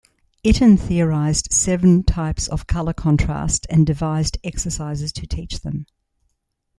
Itten theorized seven types of color contrast and devised exercises to teach them.